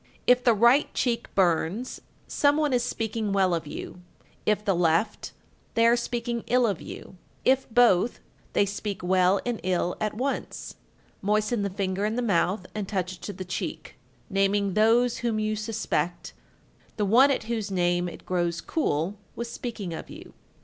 1340. If the right cheek burns, some one is speaking well of you; if the left, they are speaking ill of you; if both, they speak well and ill at once. Moisten the finger in the mouth and touch it to the cheek, naming those whom you suspect; the one at whose name it grows cool was speaking of you.